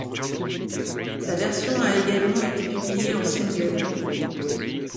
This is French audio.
Sa version a également été publiée en single.